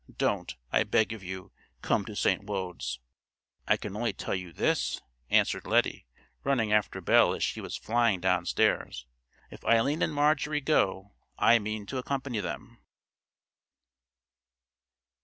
"Don't, I beg of you, come to St. Wode's." "I can only tell you this," answered Lettie, running after Belle as she was flying downstairs, "if Eileen and Marjorie go I mean to accompany them."